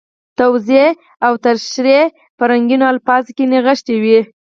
توضیح او تشریح په رنګینو الفاظو کې نغښتي وي.